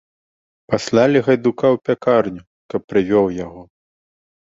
Паслалі гайдука ў пякарню, каб прывёў яго.